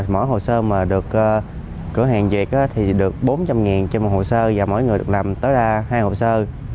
mỗi hồ sơ mà được cửa hàng về thì được bốn trăm linh trên một hồ sơ và mỗi người được làm tối đa hai hồ sơ